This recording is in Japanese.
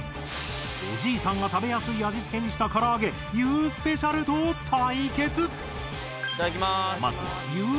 おじいさんが食べやすい味付けにしたから揚げユウスペシャルと対決！